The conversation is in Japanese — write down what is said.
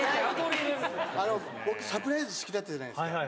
僕、サプライズ好きだったじゃないですか。